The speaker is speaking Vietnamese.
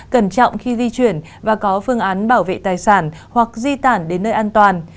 cẩn trọng khi di chuyển và có phương án bảo vệ tài sản hoặc di tản đến nơi an toàn